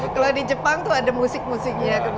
kalau di jepang tuh ada musik musiknya